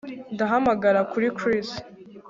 Ndahamagara kuri Chris